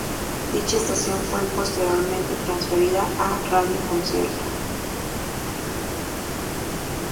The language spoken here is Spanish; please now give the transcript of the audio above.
Dicha estación fue posteriormente transferida a Radio Concierto.